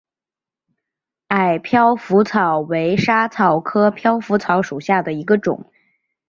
矮飘拂草为莎草科飘拂草属下的一个种。